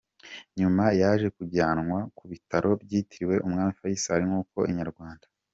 Nyuma yaje kujyanwa ku bitaro byitiriwe umwami Faisal nk’uko Inyarwanda.